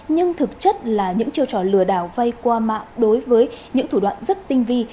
nhưng thực chất là những chiêu trò lừa đảo vay qua mạng đối với những thủ đoạn rất tinh vi